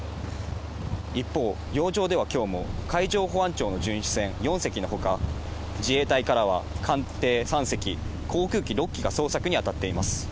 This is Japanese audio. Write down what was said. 一方、洋上ではきょうも、海上保安庁の巡視船４隻のほか、自衛隊からは艦艇３隻、航空機６機が捜索に当たっています。